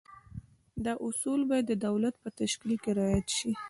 دا اصول باید د دولت په تشکیل کې رعایت شي.